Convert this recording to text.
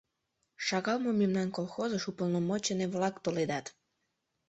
Шагал мо мемнан колхозыш уполномоченный-влак толедат.